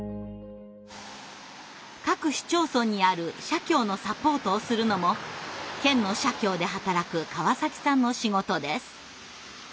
各市町村にある社協のサポートをするのも県の社協で働く川崎さんの仕事です。